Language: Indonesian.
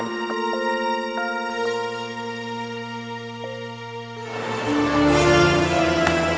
ya tidak tahu